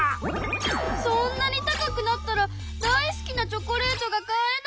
そんなに高くなったら大好きなチョコレートが買えない！